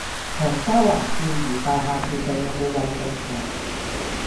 長沙灣肇如大廈附近有無運動場？